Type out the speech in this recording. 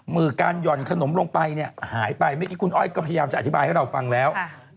มือการหย่อนขนมลงไปเนี่ยหายไปเมื่อกี้คุณอ้อยก็พยายามจะอธิบายให้เราฟังแล้ว